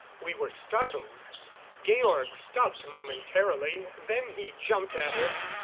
We were startled. Georg stopped momentarily; then he jumped at her.